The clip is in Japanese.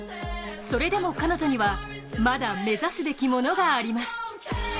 それでも彼女には、まだ目指すべきものがあります。